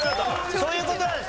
そういう事なんです。